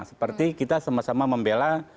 seperti kita sama sama membela